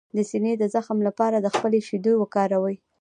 د سینې د زخم لپاره د خپلې شیدې وکاروئ